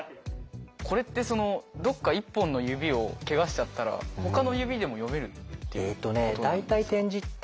これってそのどっか１本の指をけがしちゃったらほかの指でも読める？